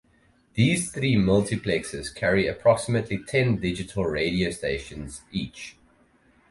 These three multiplexes carry approximately ten digital radio stations each.